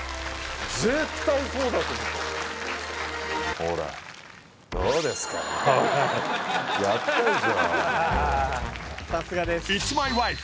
絶対そうだと思ったほらやったでしょＩｔ